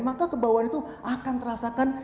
maka kebawaan itu akan terasakan